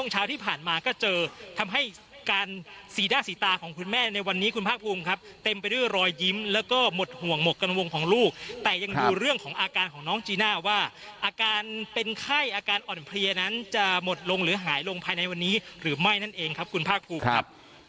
ห่วงหมกกันวงของลูกแต่ยังดูเรื่องของอาการของน้องจีน่าว่าอาการเป็นไข้อาการอ่อนเพลียนั้นจะหมดลงหรือหายลงภายในวันนี้หรือไม่นั่นเองครับคุณภาคภูมิครับ